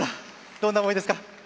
どんな思いですか？